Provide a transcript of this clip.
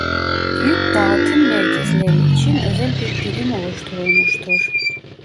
Büyük dağıtım merkezleri için özel bir birim oluşturulmuştur.